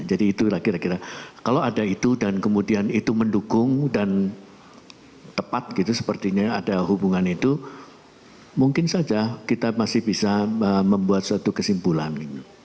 jadi itu kira kira kalau ada itu dan kemudian itu mendukung dan tepat gitu sepertinya ada hubungan itu mungkin saja kita masih bisa membuat suatu kesimpulan